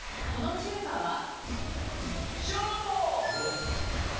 この中華は？